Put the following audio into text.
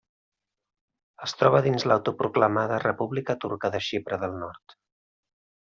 Es troba dins l'autoproclamada República Turca de Xipre del Nord.